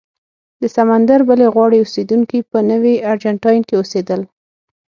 د سمندر بلې غاړې اوسېدونکي په نوي ارجنټاین کې اوسېدل.